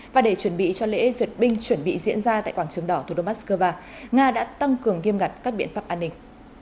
và để chuẩn bị cho lễ duyệt binh chuẩn bị diễn ra tại quảng trường đỏ thủ đô moscow nga đã tăng cường nghiêm ngặt các biện pháp an ninh